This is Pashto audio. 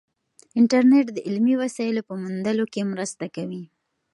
انټرنیټ د علمي وسایلو په موندلو کې مرسته کوي.